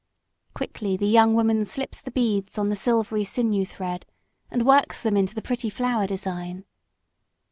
Quickly the young woman slips the beads on the silvery sinew thread, and works them into the pretty flower design.